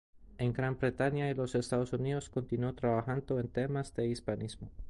En Gran Bretaña y los Estados Unidos continuó trabajando en temas de hispanismo.